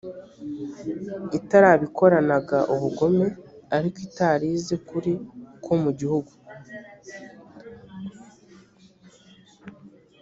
itarabikoranaga ubugome ariko itari izi ukuri ko mu gihugu